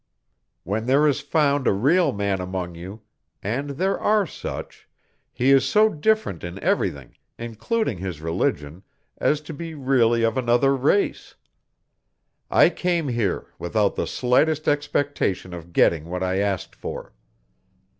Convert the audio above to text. When there is found a real man among you and there are such he is so different in everything, including his religion, as to be really of another race. I came here without the slightest expectation of getting what I asked for.